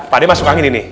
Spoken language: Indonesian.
pak d masuk angin ini